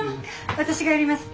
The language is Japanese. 私がやります。